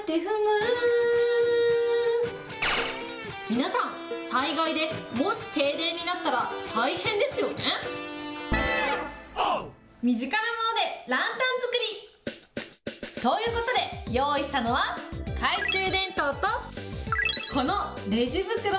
皆さん、災害でもし停電になったら、大変ですよね。ということで、用意したのは、懐中電灯とこのレジ袋。